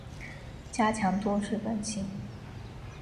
加强都市更新